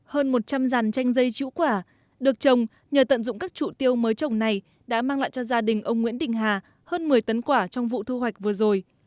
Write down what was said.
hơn một trăm linh dàn chanh dây chữ quả được trồng nhờ tận dụng các trụ tiêu mới trồng này đã mang lại cho gia đình ông nguyễn đình hà hơn một mươi tấn quả trong vụ thu hoạch vừa rồi